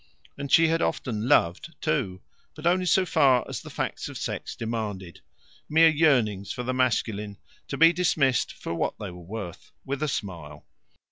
And she had often "loved," too, but only so far as the facts of sex demanded: mere yearnings for the masculine, to be dismissed for what they were worth, with a smile.